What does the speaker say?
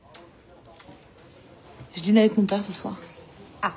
あっ。